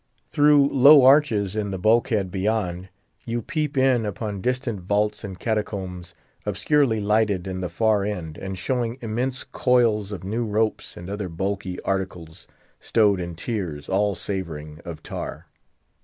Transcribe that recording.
Through low arches in the bulkhead beyond, you peep in upon distant vaults and catacombs, obscurely lighted in the far end, and showing immense coils of new ropes, and other bulky articles, stowed in tiers, all savouring of tar.